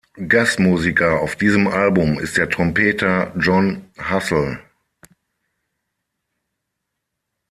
Gastmusiker auf diesem Album ist der Trompeter Jon Hassell.